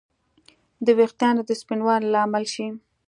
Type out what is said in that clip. د ویښتانو د سپینوالي لامل شي